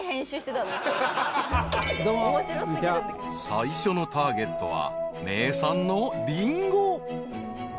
［最初のターゲットは名産のリンゴ］わあ。